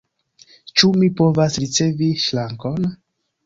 Ĉu mi povas ricevi ŝrankon?